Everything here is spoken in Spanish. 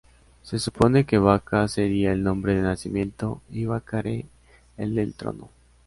Se supone que Baka sería el nombre de Nacimiento y Ba-ka-Re el del Trono.